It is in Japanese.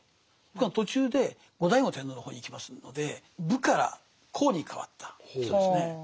ところが途中で後醍醐天皇の方に行きますので「武」から「公」に変わった人ですね。